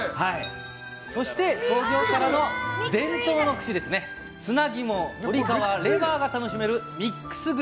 そして、創業からの伝統の串砂肝、鶏皮、レバーが楽しめるミックス串。